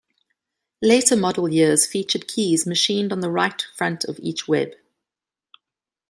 Later model years featured keys machined on the right front of each web.